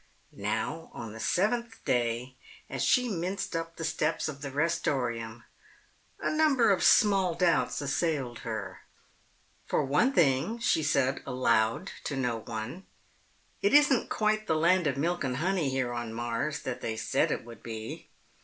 Now, on the seventh day, as she minced up the steps of the Restorium, a number of small doubts assailed her. "For one thing," she said aloud to no one, "it isn't quite the land of milk and honey here on Mars that they said it would be.